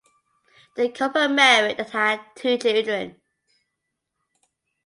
The couple married and had two children.